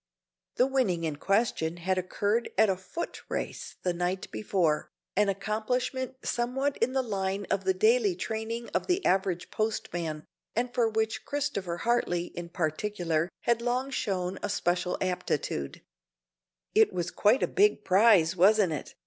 The winning in question had occurred at a foot race the night before, an accomplishment somewhat in the line of the daily training of the average postman, and for which Christopher Hartley in particular had long shown a special aptitude. [Illustration: 0023] "It was quite a big prize, wasn't it?"